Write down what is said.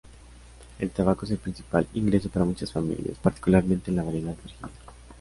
El tabaco es el principal ingreso para muchas familias, particularmente en la variedad Virginia.